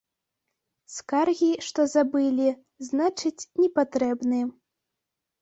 Скаргі, што забылі, значыць, не патрэбны.